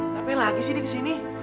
kenapa lagi sih dia kesini